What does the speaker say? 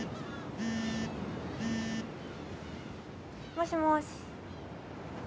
もしもし。